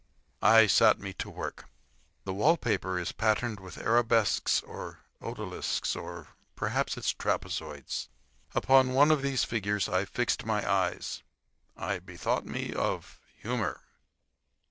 I sat me to work. The wall paper is patterned with arabesques or odalisks or—perhaps—it is trapezoids. Upon one of the figures I fixed my eyes. I bethought me of humor.